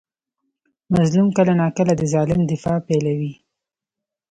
مظلوم کله ناکله د ظالم دفاع پیلوي.